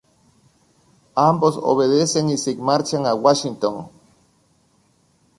Ambos obedecen y se marchan a Washington.